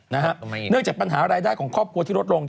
เนื่องจากปัญหารายได้ของครอบครัวที่ลดลง